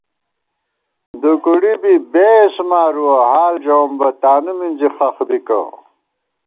دُوکُوڑی بی بېس مارُوَہ، حال ژَوُم بہ تانُو مِنزی خخ بِکہ